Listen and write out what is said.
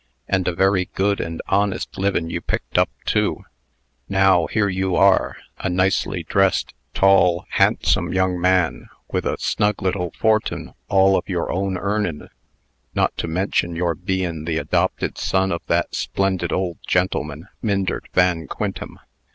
And a very good and honest livin' you picked up, too. Now, here you are, a nicely dressed, tall, handsome young man, with a snug little fortun' all of your own earnin', not to mention your bein' the adopted son of that splendid old gentleman, Myndert Van Quintem.